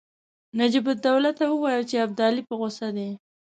نجیب الدوله ته وویل چې ابدالي په غوسه دی.